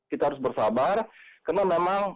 kita harus bersabar karena memang